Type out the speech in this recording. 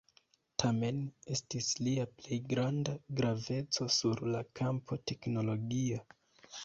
Tamen estis lia plej granda graveco sur la kampo teknologia!